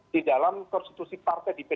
di dalam konstitusi partai di pdip